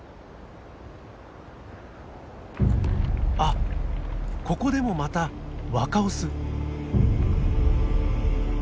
あっここでもまた若オス。